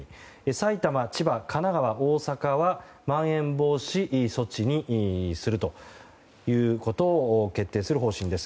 埼玉、千葉、神奈川県、大阪はまん延防止措置にするということを決定する方針です。